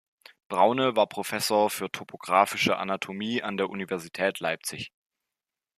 Braune war Professor für topographische Anatomie an der Universität Leipzig.